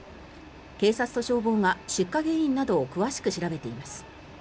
警察と消防が出火原因などを詳しく調べています。